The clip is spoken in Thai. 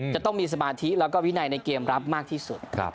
จะต้องมีสมาธิแล้วก็วินัยในเกมรับมากที่สุด